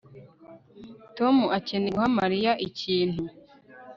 Tom akeneye guha Mariya ikintu